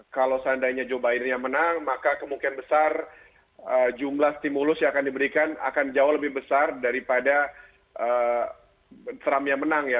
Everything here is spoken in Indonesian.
kalau seandainya joe bidennya menang maka kemungkinan besar jumlah stimulus yang akan diberikan akan jauh lebih besar daripada trump yang menang ya